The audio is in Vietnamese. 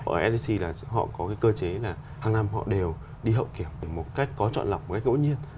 ở ssc là họ có cái cơ chế là hằng năm họ đều đi hậu kiểm một cách có chọn lọc một cách ổn nhiên